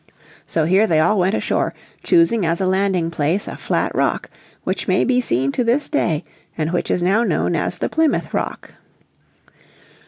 So here they all went ashore, choosing as a landing place a flat rock which may be seen to this day, and which is now known as the Plymouth Rock.